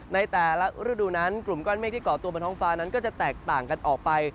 ในแต่ละฤดูนั้นกลุ่มก้อนเมฆที่เกาะตัวบนท้องฟ้านั้นก็จะแตกต่างกันออกไป